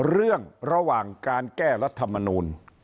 ระหว่างการแก้รัฐมนูล